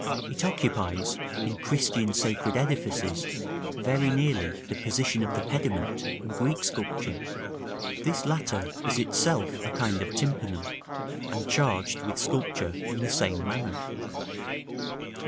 It occupies in Christian sacred edifices very nearly the position of the pediment in Greek sculpture. This latter is itself a kind of tympanum, and charged with sculpture in the same manner.